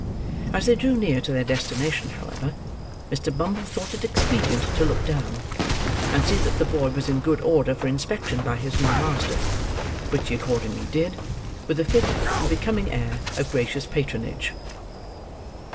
As they drew near to their destination, however, Mr. Bumble thought it expedient to look down, and see that the boy was in good order for inspection by his new master: which he accordingly did, with a fit and becoming air of gracious patronage.